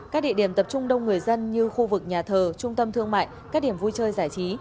các địa điểm tập trung đông người dân như khu vực nhà thờ trung tâm thương mại các điểm vui chơi giải trí